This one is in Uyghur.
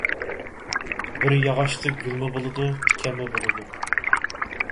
بىر ياغاچتا گۈلمۇ بولىدۇ، تىكەنمۇ بولىدۇ.